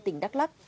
tỉnh đắk lắc